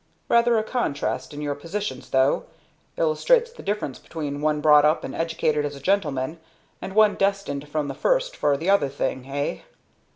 Rather a contrast in your positions, though. Illustrates the difference between one brought up and educated as a gentleman, and one destined from the first for the other thing, eh?